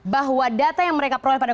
bahwa data yang mereka peroleh pada